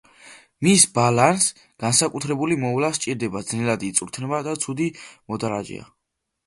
მის ბალანს განსაკუთრებული მოვლა სჭირდება, ძნელად იწვრთნება და ცუდი მოდარაჯეა.